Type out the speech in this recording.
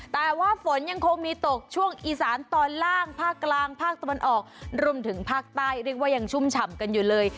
แต่ว่าฝนยังคงมีตกช่วงอีสานตอนล่างภาคกลางภาคตะวันออกรวมถึงภาคใต้เรียกว่ายังชุ่มฉ่ำกันอยู่เลย